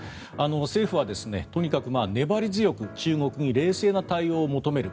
政府はとにかく粘り強く中国に冷静な対応を求める。